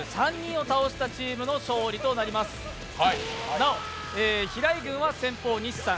なお、平井軍は先ぽう、西さん。